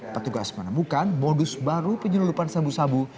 petugas menemukan modus baru penyelundupan sabu sabu